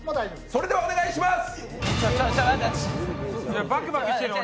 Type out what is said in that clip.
それでは、お願いします！